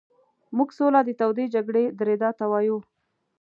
موږ سوله د تودې جګړې درېدا ته وایو.